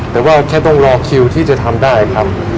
แต่ว่าแค่ต้องรอคิวที่จะทำได้ครับ